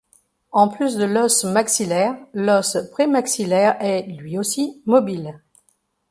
En plus de l'os maxillaire, l'os prémaxillaire est, lui aussi, mobile.